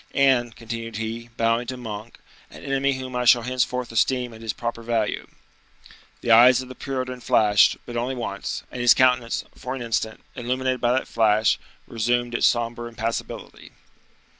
"And," continued he, bowing to Monk, "an enemy whom I shall henceforth esteem at his proper value." The eyes of the Puritan flashed, but only once, and his countenance, for an instant, illuminated by that flash, resumed its somber impassibility.